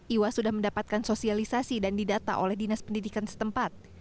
iwa sudah mendapatkan sosialisasi dan didata oleh dinas pendidikan setempat